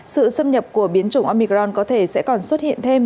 sự xâm nhập của biến chủng omicron có thể sẽ còn xuất hiện thêm